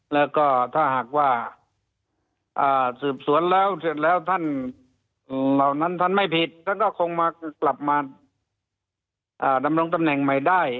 แล้วก็ถ้าหากว่าสืบสวนแล้วเรานั้นทั้งไม่ผิดทั้งคงกลับมาดำนังตำแหน่งใหม่ได้